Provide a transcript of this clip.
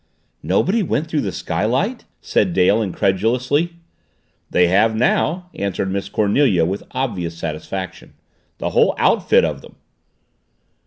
"Nobody went through the skylight?" said Dale incredulously. "They have now," answered Miss Cornelia with obvious satisfaction. "The whole outfit of them."